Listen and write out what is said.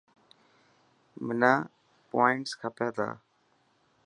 منا پووانٽس کپي تا.